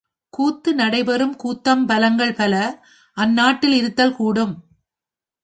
கூத்து நடைபெறும் கூத்தம்பலங்கள் பல அந்நாட்டிலிருந் திருத்தல் கூடும்.